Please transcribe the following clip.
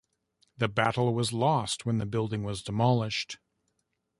The battle was lost when the building was demolished.